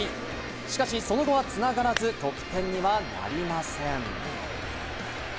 しかし、その後は繋がらず、得点にはなりません。